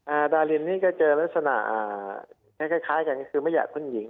อ่าดารินนี่ก็เจอลักษณะค่ะคล้ายกันคือไม่อยากคุณหญิง